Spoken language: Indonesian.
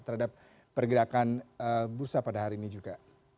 terhadap pergerakan bursa pada hari ini juga